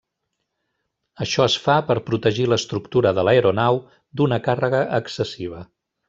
Això es fa per protegir l'estructura de l'aeronau d'una càrrega excessiva.